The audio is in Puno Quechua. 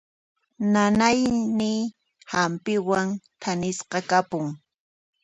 Nanayniy hampiwan thanisqa kapun.